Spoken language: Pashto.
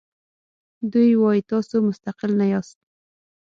دوی وایي تاسو مستقل نه یاست.